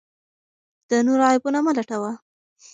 د نورو عیبونه مه لټوه.